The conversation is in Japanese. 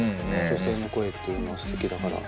女性の声っていうのはすてきだから。